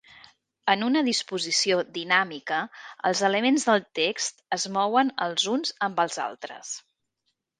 En una disposició dinàmica, els elements del text es mouen els uns amb els altres.